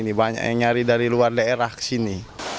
jadi banyak yang nyari dari luar daerah ke sini